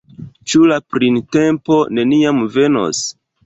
Ĉu la printempo neniam venos?